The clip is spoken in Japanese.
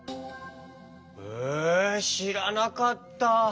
へえしらなかった。